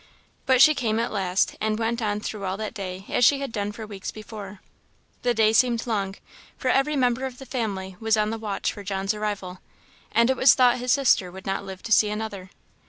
But she came at last, and went on through all that day as she had done for weeks before. The day seemed long, for every member of the family was on the watch for John's arrival, and it was thought his sister would not live to see another.